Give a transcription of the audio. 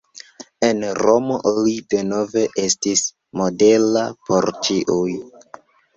En Romo li denove estis modela por ĉiuj.